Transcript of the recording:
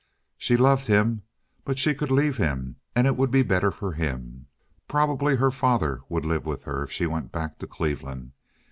She loved him, but she could leave him, and it would be better for him. Probably her father would live with her if she went back to Cleveland.